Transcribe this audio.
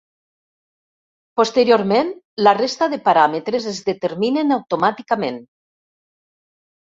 Posteriorment, la resta de paràmetres es determinen automàticament.